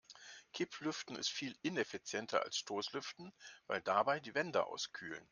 Kipplüften ist viel ineffizienter als Stoßlüften, weil dabei die Wände auskühlen.